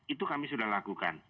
itu kami sudah lakukan